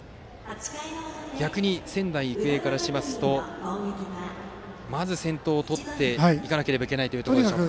逆に仙台育英からするとまず先頭をとっていかなければいけないでしょうか。